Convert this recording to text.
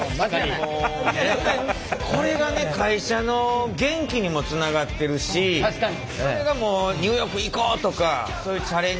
これが会社の元気にもつながってるしそれがニューヨーク行こうとかチャレンジ